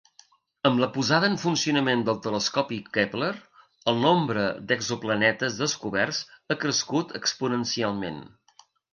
Amb la posada en funcionament del telescopi Kepler, el nombre d'exoplanetes descoberts ha crescut exponencialment.